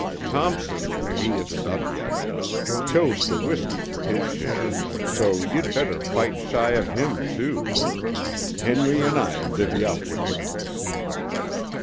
Thompson he isn't up yet chose the whisky for his share, so you'd better fight shy of him, too. Henry and I'll divvy up with you."